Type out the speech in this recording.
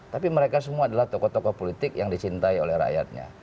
tapi mereka semua adalah tokoh tokoh politik yang dicintai oleh rakyatnya